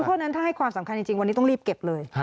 เพราะฉะนั้นถ้าให้ความสำคัญจริงวันนี้ต้องรีบเก็บเลย